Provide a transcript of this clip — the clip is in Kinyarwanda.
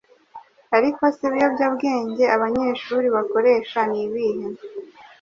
Ariko se ibiyobyabwenge abanyeshuri bakoresha ni ibihe?